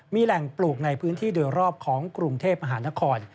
มีแหล่งปลูกในพื้นที่โดยรอบของกรุงเทพมหานคร